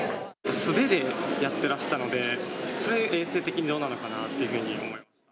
素手でやってらしたので、それ、衛生的にどうなのかなっていうふうに思いますね。